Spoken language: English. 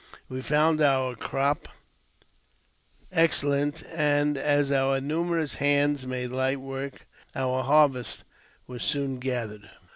We found our crop excellent, and, as our numerous hands made light work, our harvest was soon gathered.